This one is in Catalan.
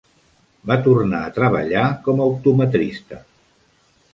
Va tornar a treballar com a optometrista.